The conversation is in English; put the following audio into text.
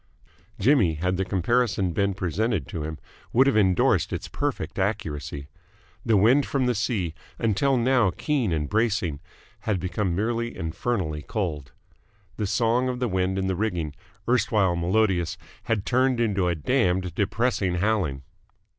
Jimmy, had the comparison been presented to him, would have endorsed its perfect accuracy. The wind from the sea, until now keen and bracing, had become merely infernally cold. The song of the wind in the rigging, erstwhile melodious, had turned into a damned depressing howling.